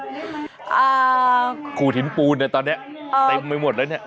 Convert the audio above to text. อ่าขูถินปูนตอนนี้เต็มไปหมดแล้วเนี่ย